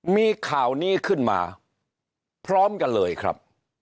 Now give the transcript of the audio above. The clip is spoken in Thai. มีข่าวนี้ขึ้นมาพร้อมกันเลยครับ